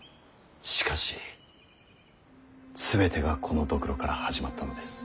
しかし全てがこのドクロから始まったのです。